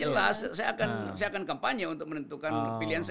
jelas saya akan kampanye untuk menentukan pilihan saya